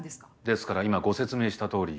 ですから今ご説明したとおり